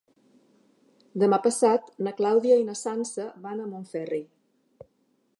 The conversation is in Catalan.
Demà passat na Clàudia i na Sança van a Montferri.